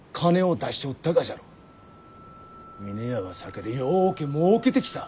峰屋は酒でようけもうけてきた。